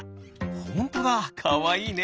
ほんとだかわいいね！